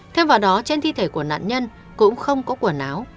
thêm vào đó trên thi thể của nạn nhân cũng không có quần áo